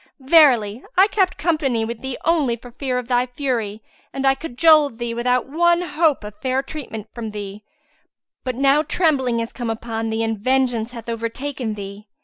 Verily, I kept company with thee only for fear of thy fury and I cajoled thee without one hope of fair treatment from thee: but now trembling is come upon thee and vengeance hath overtaken thee."